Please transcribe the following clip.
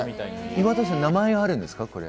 岩田さん、名前はあるんです